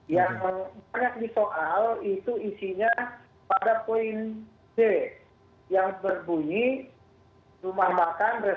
yang banyak disoal itu isinya pada poin c yang berbunyi rumah makan restoran